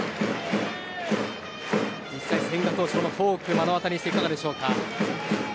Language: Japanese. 千賀投手、このフォークを目の当たりにしていかがですか。